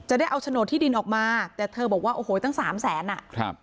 ได้เอาโฉนดที่ดินออกมาแต่เธอบอกว่าโอ้โหตั้งสามแสนอ่ะครับ